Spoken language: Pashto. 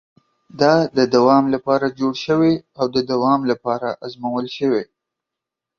دا د دوام لپاره جوړ شوی او د دوام لپاره ازمول شوی.